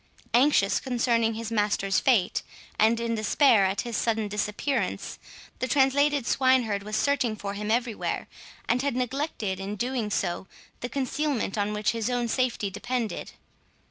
Anxious concerning his master's fate, and in despair at his sudden disappearance, the translated swineherd was searching for him everywhere, and had neglected, in doing so, the concealment on which his own safety depended.